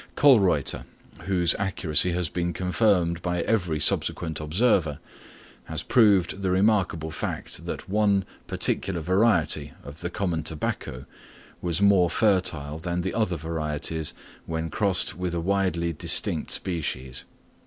Kölreuter, whose accuracy has been confirmed by every subsequent observer, has proved the remarkable fact that one particular variety of the common tobacco was more fertile than the other varieties, when crossed with a widely distinct species.